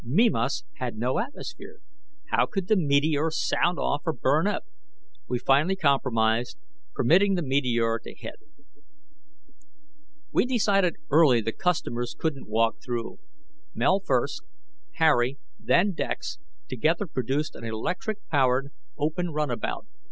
Mimas had no atmosphere how could the meteor sound off or burn up? We finally compromised, permitting the meteor to hit. We'd decided early the customers couldn't walk through. Mel first, Harry, then Dex, together produced an electric powered, open runabout.